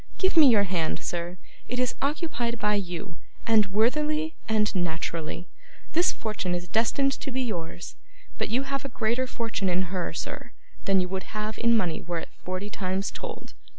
Give me your hand, sir; it is occupied by you, and worthily and naturally. This fortune is destined to be yours, but you have a greater fortune in her, sir, than you would have in money were it forty times told.